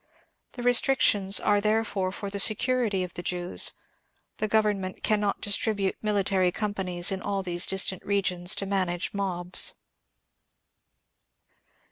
The restrictions are therefore for the security of Jews. The government cannot distribute military companies in all these distant regions to manage mobs.